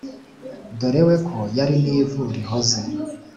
Dore we ko yari n'ivu rihoze